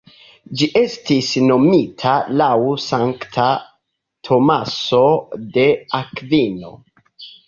Ĝi estis nomita laŭ sankta Tomaso de Akvino.